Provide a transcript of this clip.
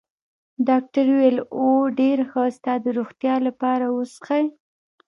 ډاکټر وویل: اوه، ډېر ښه، ستا د روغتیا لپاره، و څښئ.